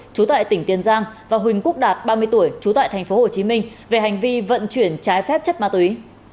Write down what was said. chú tại tỉnh tiền giang và huỳnh quốc đạt ba mươi tuổi trú tại tp hcm về hành vi vận chuyển trái phép chất ma túy